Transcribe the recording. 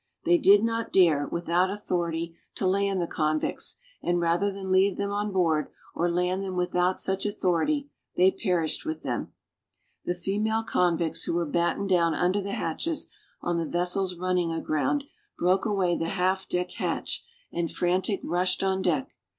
They did not dare, without authority, to land the convicts, and rather than leave them on board, or land them without such authority, they perished with them. The female convicts, who were battened down under the hatches, on the vessel's running aground, broke away the half deck hatch, and frantic, rushed on deck.